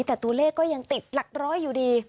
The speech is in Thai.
แต่ตัวเลขก็ยังติดหลักร้อยอยู่ดี